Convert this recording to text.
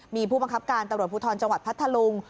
มีผู้บังคับการตำรวจภูทรจังหวัดพัทธลุง